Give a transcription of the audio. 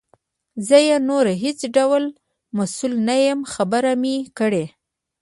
زه یې نور هیڅ ډول مسؤل نه یم خبر مي کړې.